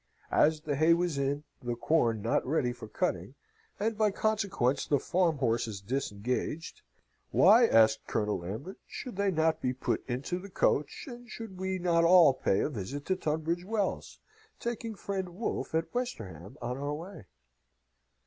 As the hay was in, the corn not ready for cutting, and by consequence the farm horses disengaged, why, asked Colonel Lambert, should they not be put into the coach, and should we not all pay a visit to Tunbridge Wells, taking friend Wolfe at Westerham on our way?